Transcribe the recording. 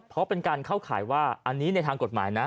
เพราะเป็นการเข้าข่ายว่าอันนี้ในทางกฎหมายนะ